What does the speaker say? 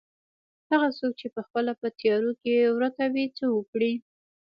هغه څوک چې پخپله په تيارو کې ورکه وي څه وکړي.